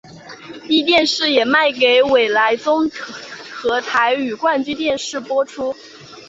壹电视也卖给纬来综合台与冠军电视播出。